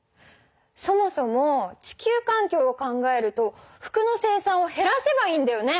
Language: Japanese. そもそも地球環境を考えると服の生産をへらせばいいんだよね！